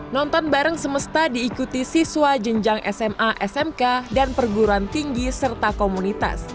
nonton bareng semesta diikuti siswa jenjang sma smk dan perguruan tinggi serta komunitas